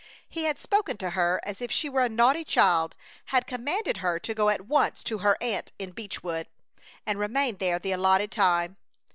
He had spoken to her as if she were a naughty child; had commanded her to go at once to her aunt in Beechwood and remain there the allotted time.